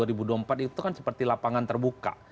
dua ribu dua puluh empat itu kan seperti lapangan terbuka